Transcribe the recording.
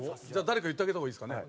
誰か言ってあげた方がいいですかね？